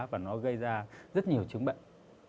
và nó gây ra rất nhiều chứng bệnh